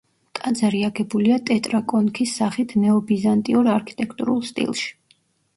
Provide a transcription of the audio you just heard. ტაძარი აგებულია ტეტრაკონქის სახით ნეობიზანტიურ არქიტექტურულ სტილში.